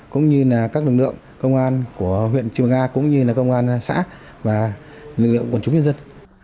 cũng như là các lực lượng công an của huyện trường nga cũng như là công an xã và lực lượng quần chúng nhân dân